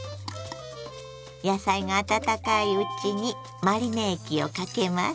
野菜が温かいうちにマリネ液をかけます。